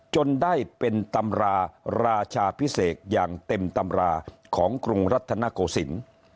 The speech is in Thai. จนได้เป็นตำราราชาพิเศษอย่างเต็มตำราของกรุงรัฐนโกศิลป์